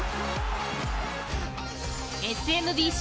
ＳＭＢＣ